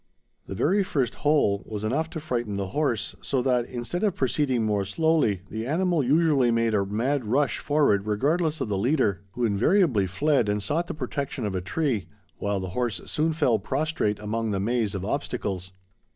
The very first hole was enough to frighten the horse, so that, instead of proceeding more slowly, the animal usually made a mad rush forward regardless of the leader, who invariably fled and sought the protection of a tree, while the horse soon fell prostrate among the maze of obstacles.